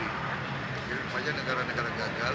jadi makanya negara negara gagal